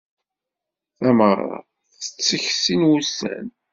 Tameɣra tettekk sin n wussan.